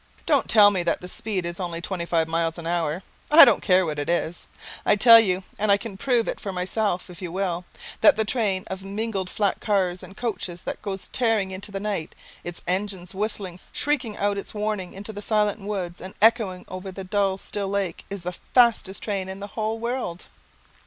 Don't tell me that the speed is only twenty five miles an hour. I don't care what it is. I tell you, and you can prove it for yourself if you will, that that train of mingled flat cars and coaches that goes tearing into the night, its engine whistle shrieking out its warning into the silent woods and echoing over the dull still lake, is the fastest train in the whole world.